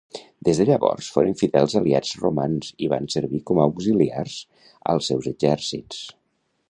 Des de llavors foren fidels aliats romans i van servir com auxiliars als seus exèrcits.